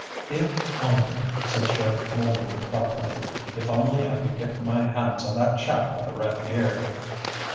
"If only," said Sheriff Muldoon thoughtfully "If only I could get my hands on that chap with the red beard!"